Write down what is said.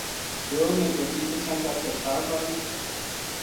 دیو نے گٹی پچھاں کر کے چھاڑ ماری